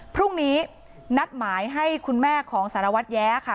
พรุ่งนี้นัดหมายให้คุณแม่ของสารวัตรแย้ค่ะ